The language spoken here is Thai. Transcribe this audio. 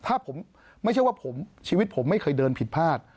ถ้าผมไม่ใช่ว่าชีวิตผมไม่เคยเดินผิดพลาด